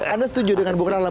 anda setuju dengan bung rahlan